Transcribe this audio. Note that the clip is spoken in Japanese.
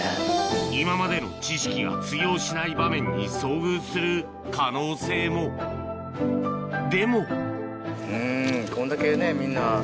今までの知識が通用しない場面に遭遇する可能性もでもうんこんだけね。